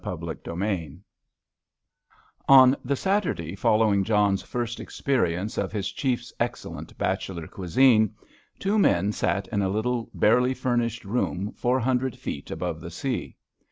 CHAPTER XII On the Saturday following John's first experience of his Chief's excellent bachelor cuisine, two men sat in a little, barely furnished room, four hundred feet above the sea.